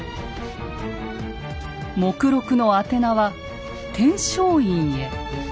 目録の宛名は「天璋院へ」。